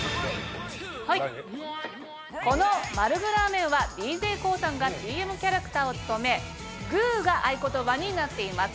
はいこのまるぐラーメンはＤＪＫＯＯさんがＣＭキャラクターを務め「ＧＯＯＤ」が合言葉になっています。